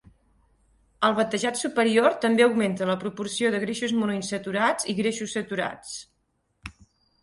El vetejat superior també augmenta la proporció de greixos monoinsaturats i greixos saturats.